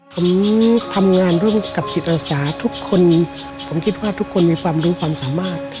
ผมทำงานร่วมกับจิตอาสาทุกคนผมคิดว่าทุกคนมีความรู้ความสามารถ